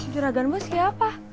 juragan bos siapa